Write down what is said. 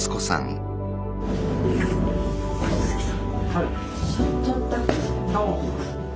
はい。